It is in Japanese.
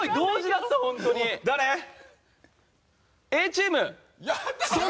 Ａチーム。